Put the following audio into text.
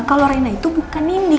kalau rena itu bukan ini